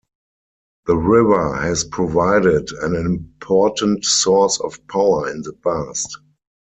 The river has provided an important source of power in the past.